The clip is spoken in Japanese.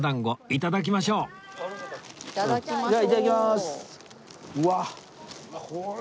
いただきます。